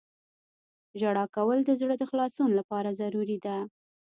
• ژړا کول د زړه د خلاصون لپاره ضروري ده.